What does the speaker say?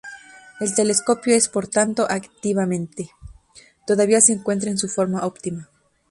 El telescopio es por tanto "activamente" todavía se encuentra en su forma optima.